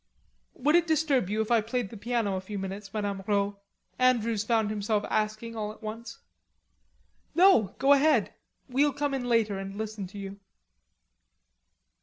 "Would it disturb you if I played the piano a few minutes, Madame Rod?" Andrews found himself asking all at once. "No, go ahead. We'll come in later and listen to you."